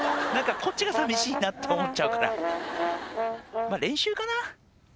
こっちが寂しいなと思っちゃうから練習かな？